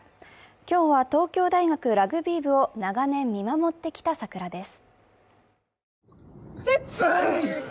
今日は東京大学ラグビー部を長年見守ってきた桜です。